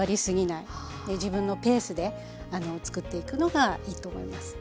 自分のペースでつくっていくのがいいと思います。